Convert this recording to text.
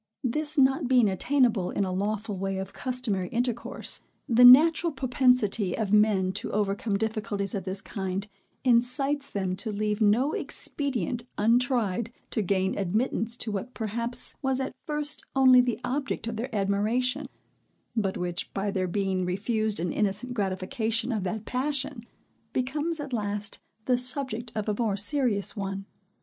This not being attainable in a lawful way of customary intercourse, the natural propensity of men to overcome difficulties of this kind, incites them to leave no expedient untried to gain admittance to what perhaps was at first only the object of their admiration, but which, by their being refused an innocent gratification of that passion, becomes at last the subject of a more serious one.